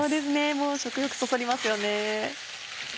もう食欲そそりますよね。